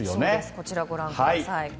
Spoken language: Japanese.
こちら、ご覧ください。